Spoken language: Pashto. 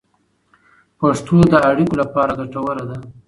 پښتو د اړیکو لپاره ګټوره ده.